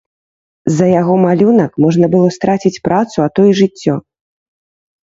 За яго малюнак можна было страціць працу, а то і жыццё.